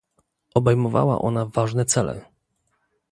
Obejmowała ona ważne cele